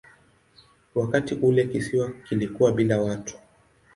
Wakati ule kisiwa kilikuwa bila watu.